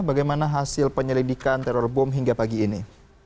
bagaimana hasil penyelidikan teror bom hingga pagi ini